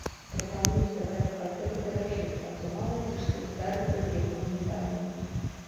Прапаную здаваць кватэру даражэй, а то мала ці што здарыцца з яго ўнітазам!